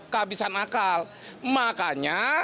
kehabisan akal makanya